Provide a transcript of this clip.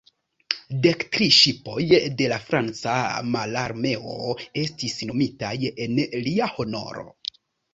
Dek tri ŝipoj de la Franca Mararmeo estis nomitaj en lia honoro.